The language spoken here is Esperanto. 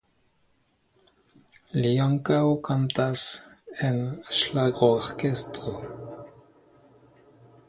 Li ankaŭ kantas en ŝlagrorkestro.